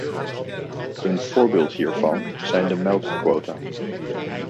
Een voorbeeld hiervan zijn de melkquota.